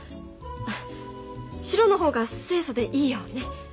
白の方が清楚でいいよね。